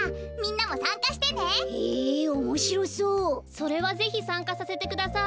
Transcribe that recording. それはぜひさんかさせてください。